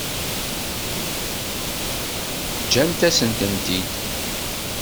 Ǧǧant-asent-tent-id.